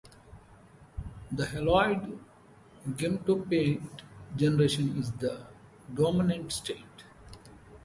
The haloid gametophyte generation is the dominant state.